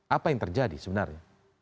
apa yang terjadi sebenarnya